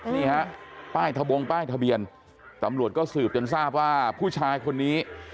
นี่ฮะป้ายทะบงป้ายทะเบียนตำรวจก็สืบจนทราบว่าผู้ชายคนนี้